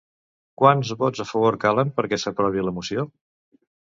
Quants vots a favor calen perquè s'aprovi la moció?